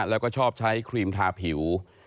แล้วก็ชอบใช้ครีมทาผิว